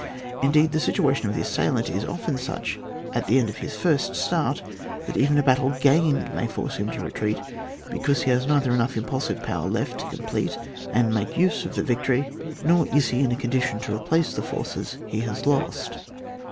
Indeed, the situation of the assailant is often such at the end of his first start, that even a battle gained may force him to retreat, because he has neither enough impulsive power left to complete and make use of a victory, nor is he in a condition to replace the forces he has lost.